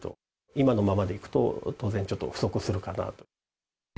今のままでいくと、当然、ちょっと不足するかなと。